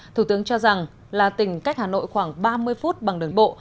thủ tướng cho rằng là tỉnh cách hà nội khoảng ba mươi phút bằng đường bộ